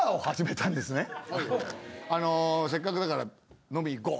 あのせっかくだから飲みに行こう！